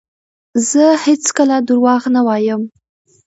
زه هیڅکله درواغ نه وایم.